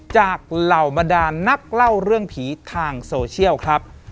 เหล่าบรรดานนักเล่าเรื่องผีทางโซเชียลครับ